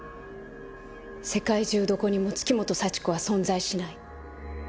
世界中どこにも月本幸子は存在しない。